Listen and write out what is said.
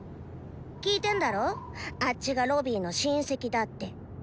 聞いてんだろあッチがロビーの「親戚」だって。